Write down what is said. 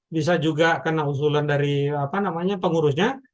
bisa juga kena usulan dari pengurusnya